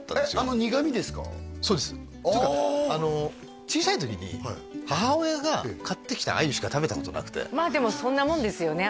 そうですというか小さい時に母親が買ってきた鮎しか食べたことなくてまあでもそんなもんですよね